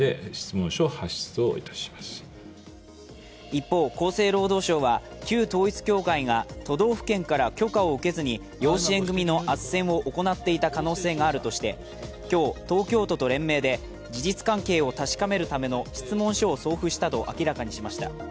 一方、厚生労働省は旧統一教会が都道府県から許可を受けずに養子縁組のあっせんを行っていた可能性があるとして今日、東京都と連名で事実関係を確かめるための質問書を送付したと明らかにしました。